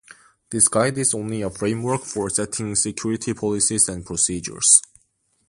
This guide is only a framework for setting security policies and procedures.